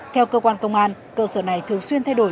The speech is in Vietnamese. theo cơ quan công an cơ sở này thường xuyên thay đổi